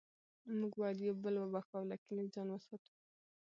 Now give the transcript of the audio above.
موږ باید یو بل وبخښو او له کینې ځان وساتو